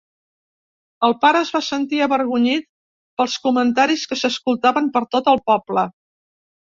El pare es va sentir avergonyit pels comentaris que s'escoltaven per tot el poble.